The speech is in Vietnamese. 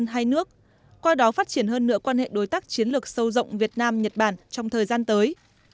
nhân dân hai nước qua đó phát triển hơn nửa quan hệ đối tác chiến lược sâu rộng việt nam nhật bản trong thời gian tới